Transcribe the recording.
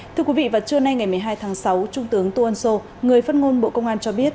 thưa quý vị vào trưa nay ngày một mươi hai tháng sáu trung tướng tô ân sô người phát ngôn bộ công an cho biết